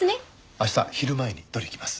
明日昼前に取りに来ます。